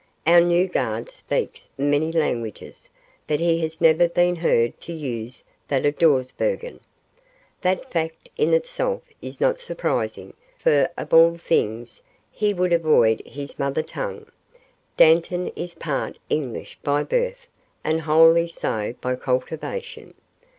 Our new guard speaks many languages, but he has never been heard to use that of Dawsbergen. That fact in itself is not surprising, for, of all things, he would avoid his mother tongue. Dantan is part English by birth and wholly so by cultivation.